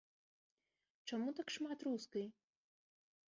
Чаму так шмат рускай?